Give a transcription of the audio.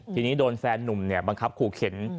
ทีนี้โดนแฟนนุ่มบังคับขู่เข็น